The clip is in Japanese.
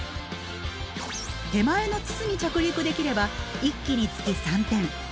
手前の筒に着陸できれば１機につき３点。